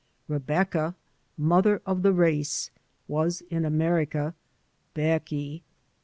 Rebecca — smother of the race — was in America Becky.